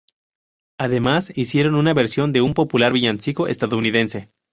Además hicieron una versión de un popular villancico estadounidense.